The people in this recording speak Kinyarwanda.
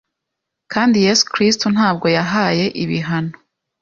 kandi Yesu Kristo ntabwo yahaye ibihano